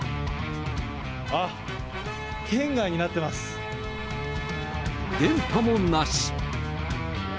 あっ、電波もなし。